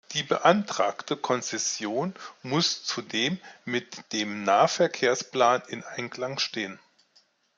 Die beantragte Konzession muss zudem mit dem Nahverkehrsplan in Einklang stehen.